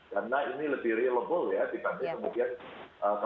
karena ini lebih relevable ya dibanding kemudian